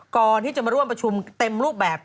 ก่อนที่จะมาร่วมประชุมเต็มรูปแบบ